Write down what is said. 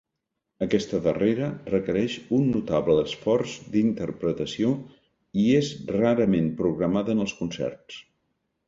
Aquesta darrera requereix un notable esforç d'interpretació i és rarament programada en els concerts.